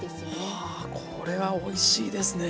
あこれはおいしいですね。